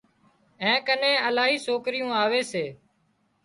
اين ڪنين الاهي سوڪريون آوي سي